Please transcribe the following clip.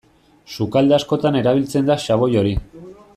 Sukalde askotan erabiltzen da xaboi hori.